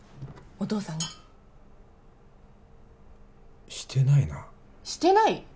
お父さんがしてないなしてない？